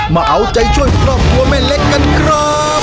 มาเอาใจช่วยครอบครัวแม่เล็กกันครับ